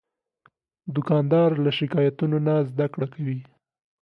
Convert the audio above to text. دوکاندار له شکایتونو نه زدهکړه کوي.